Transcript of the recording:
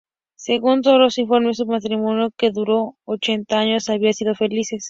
Según todos los informes, su matrimonio, que duró cuarenta años, había sido feliz.